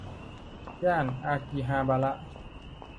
ย่านอากิฮาบาระ